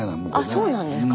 あそうなんですか。